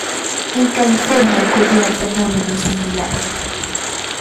En California ocurrió un fenómeno similar.